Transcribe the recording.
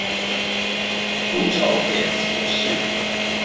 如照片所示